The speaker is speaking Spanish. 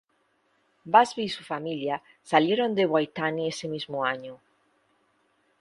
Busby y su familia salieron de Waitangi ese mismo año.